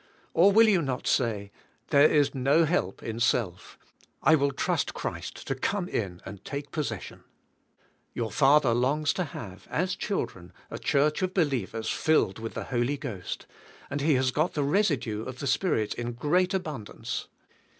Or will you not say, There is no help in self; I will trust Christ to come in and take possession? Your Father longs to have, as children, a church of believers filled with the Holy Ghost, and He has g ot the residue of the Spirit in g reat abundance.